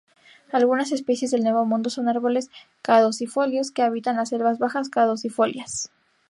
Algunas especies del Nuevo Mundo son árboles caducifolios que habitan las selvas bajas caducifolias.